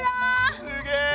すげえ！